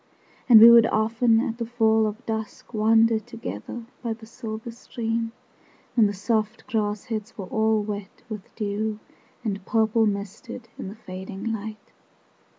And we would often at the fall of dusk Wander together by the silver stream, 5 When the soft grass heads were all wet with dew, And purple misted in the fading light.